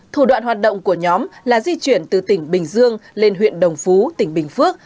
thủ đoạn hoạt động của nhóm là di chuyển từ tỉnh bình dương lên huyện đồng phú tỉnh bình phước